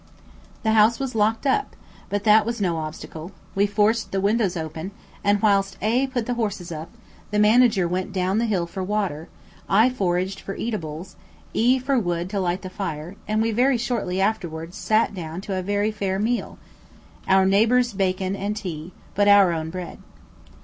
The house was locked up, but that was no obstacle; we forced the windows open, and whilst A put the horses up, the Manager went down the hill for water, I foraged for eatables, E for wood to light the fire, and we very shortly afterwards sat down to a very fair meal; our neighbours' bacon and tea, but our own bread.